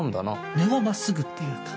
根は真っすぐっていうか。